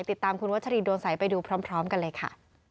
ติดตามคุณวัชรีดวงใสไปดูพร้อมกันเลยค่ะ